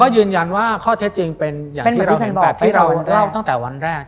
ยืนยันว่าข้อเท็จจริงเป็นอย่างที่เราเห็นแบบที่เราเล่าตั้งแต่วันแรก